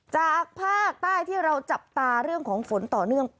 จากภาคใต้ที่เราจับตาเรื่องของฝนต่อเนื่อง